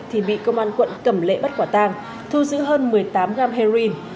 thì bị công an quận cầm lệ bắt quả tang thu giữ hơn một mươi tám g heroin